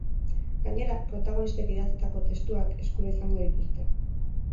Gainera, protagonistek idatzitako testuak eskura izango dituzte.